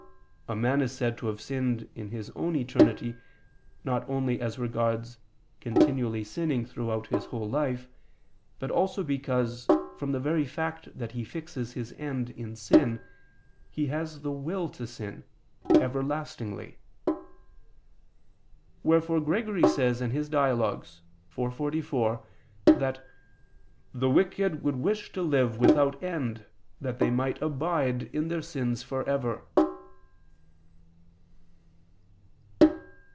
A man is said to have sinned in his own eternity, not only as regards continual sinning throughout his whole life, but also because, from the very fact that he fixes his end in sin, he has the will to sin, everlastingly. Wherefore Gregory says (Dial. iv, 44) that the "wicked would wish to live without end, that they might abide in their sins for ever."